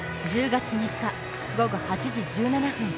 １０月３日、午後８時１７分。